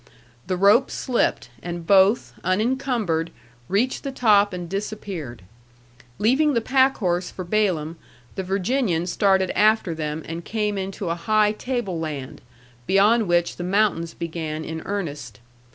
The rope slipped, and both, unencumbered, reached the top and disappeared. Leaving the packhorse for Balaam, the Virginian started after them and came into a high tableland, beyond which the mountains began in earnest.